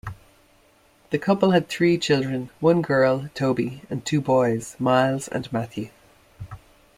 The couple has three children; one girl, Tobi, and two boys, Miles and Matthew.